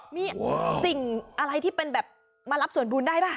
มีสิ่งอะไรที่เป็นแบบมารับส่วนบุญได้ป่ะ